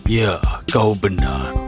ya kau benar